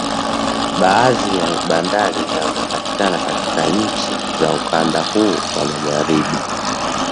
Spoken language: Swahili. Baadhi ya bandari zinazopatikana katika nchi za ukanda huo wa Magharibi